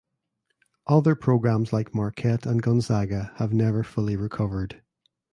Other programs like Marquette and Gonzaga have never fully recovered.